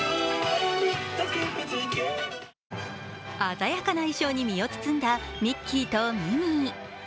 鮮やかな衣装に身を包んだミッキーとミニー。